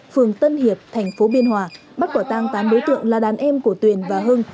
phường tân hiệp thành phố biên hòa bắt quả tang tám đối tượng là đàn em của tuyền và hưng